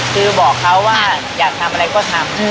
คือบอกเขาว่าอยากทำอะไรก็ทำ